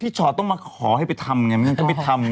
พี่ชอตต้องมาขอให้ไปทำไงงั้นเขาไปทำ